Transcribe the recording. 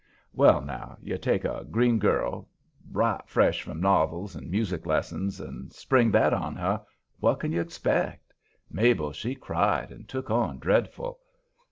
Well, now, you take a green girl, right fresh from novels and music lessons, and spring that on her what can you expect? Mabel, she cried and took on dreadful.